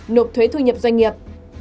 nộp thuế thu nhập doanh nghiệp